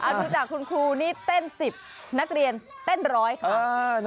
ดูจากคุณครูนี่เต้น๑๐นักเรียนเต้นร้อยค่ะ